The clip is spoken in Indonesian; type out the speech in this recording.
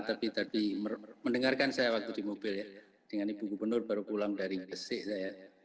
tapi tadi mendengarkan saya waktu di mobil ya dengan ibu gubernur baru pulang dari gresik saya